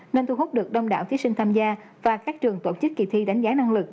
nên thu hút được đông đảo thí sinh tham gia và các trường tổ chức kỳ thi đánh giá năng lực